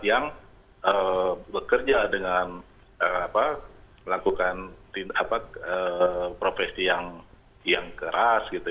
yang bekerja dengan melakukan profesi yang keras gitu